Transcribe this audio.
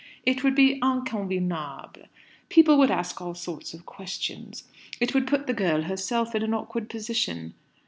It would be inconvenable. People would ask all sorts of questions. It would put the girl herself in an awkward position.